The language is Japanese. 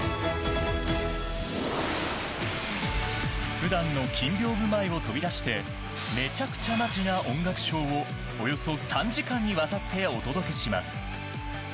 普段の金屏風前を飛び出してめちゃくちゃマジな音楽ショーをおよそ３時間にわたってお届けします。